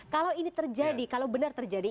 kalau ini terjadi kalau benar terjadi